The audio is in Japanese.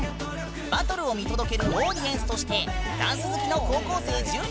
バトルを見届けるオーディエンスとしてダンス好きの高校生１０人が来てくれたよ！